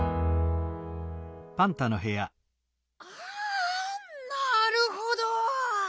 ああなるほど！